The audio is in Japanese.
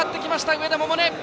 上田百寧！